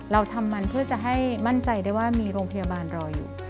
เราทำมันเพื่อจะให้มั่นใจได้ว่ามีโรงพยาบาลรออยู่